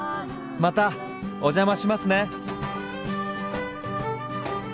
またお邪魔しますね。